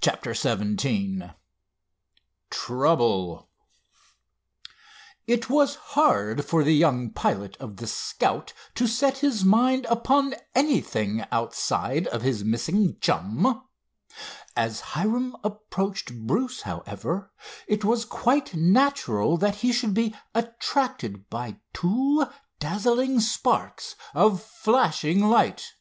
CHAPTER XVII TROUBLE It was hard for the young pilot of the Scout to set his mind upon anything outside of his missing chum. As Hiram approached Bruce, however, it was quite natural that he should be attracted by two dazzling sparks of flashing light.